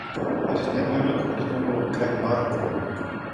It is net dúdlik hoe't it ûngelok krekt barre koe.